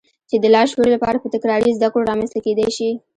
چې د لاشعور لپاره په تکراري زدهکړو رامنځته کېدای شي.